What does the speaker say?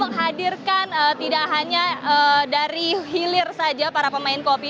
yang tersebut adalah dari hilir saja para pemain kopi